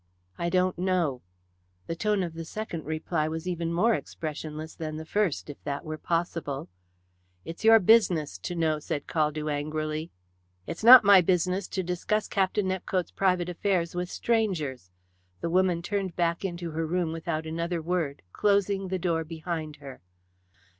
"I don't know." The tone of the second reply was even more expressionless than the first, if that were possible. "It's your business to know," said Caldew angrily. "It is not my business to discuss Captain Nepcote's private affairs with strangers." The woman turned back into her room without another word, closing the door behind her.